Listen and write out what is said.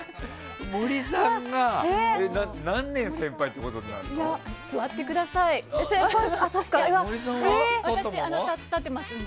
森さんは何年先輩ってことになるの？